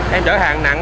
em chở hàng nặng